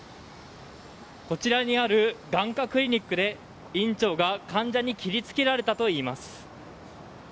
こちらにある眼科クリニックで院長が患者に切り付けられたといいます。